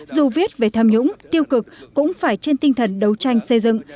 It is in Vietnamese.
dù viết về tham nhũng tiêu cực cũng phải trên tinh thần đấu tranh xây dựng